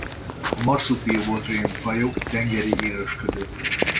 A Marsupiobothrium-fajok tengeri élősködők.